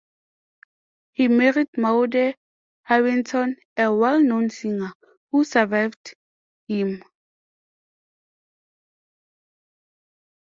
He married Maude Harrington, a well-known singer, who survived him.